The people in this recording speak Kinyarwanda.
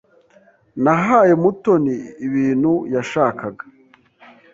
Nahaye Mutoni ibintu yashakaga.